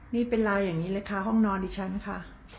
นี่เป็นลายอย่างนี้เลยค่ะห้องนอนดิฉันค่ะ